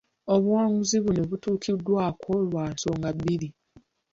Ebuwanguzi buno butuukiddwako lwa nsonga bbiri.